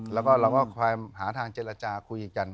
แล้วก็เราก็คอยหาทางเจรจาคุยกัน